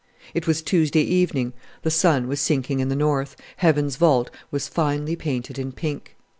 It was Tuesday evening, the sun was sinking in the north, Heaven's vault was finely painted in pink.